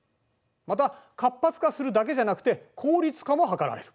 また活発化するだけじゃなくて効率化も図られる。